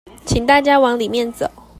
請大家往裡面走